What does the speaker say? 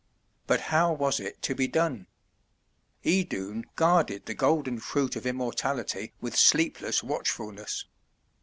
But how was it to be done? Idun guarded the golden fruit of immortality with sleepless watchfulness.